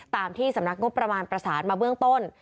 ตามที่สำนักงบประมาณประสานมาเบื้องต้น